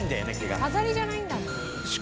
飾りじゃないんだね。